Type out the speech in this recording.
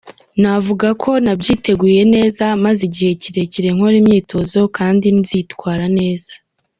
Navuga ko nabyiteguye neza, maze igihe kirekire nkora imyitozo kandi nzitwara neza.